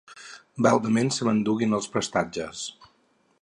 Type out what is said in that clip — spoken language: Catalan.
Baldament se m'enduguin els prestatges